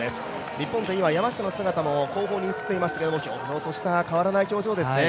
日本勢、今山下の姿も見えていましたけど、ひょうひょうとした、変わらない表情ですね。